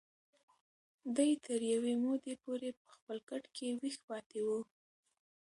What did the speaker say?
دی تر یوې مودې پورې په خپل کټ کې ویښ پاتې و.